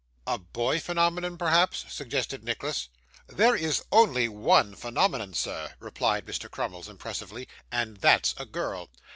'A boy phenomenon, perhaps?' suggested Nicholas. 'There is only one phenomenon, sir,' replied Mr. Crummles impressively, 'and that's a girl.